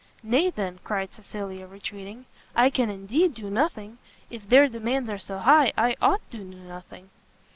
"Nay, then," cried Cecilia, retreating, "I can indeed do nothing! if their demands are so high, I ought to do nothing."